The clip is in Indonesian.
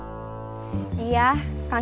iya iya championship konfirmasi basah seneng berperang